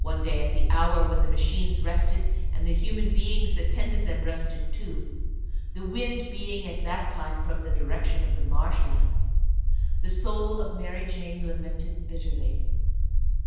One day at the hour when the machines rested and the human beings that tended them rested too, the wind being at that time from the direction of the marshlands, the soul of Mary Jane lamented bitterly.